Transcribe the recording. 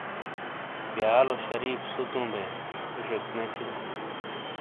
بیالو شریف سوتوں بئے ہِشیک نے تھیوں